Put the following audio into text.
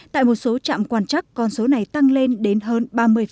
tại một số trạm quan trắc con số này tăng lên đến hơn ba mươi